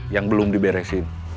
yang belum diberesin